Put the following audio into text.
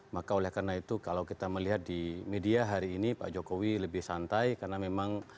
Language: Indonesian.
maka oleh karena itu kalau kita melihat di media hari ini pak jokowi lebih santai karena memang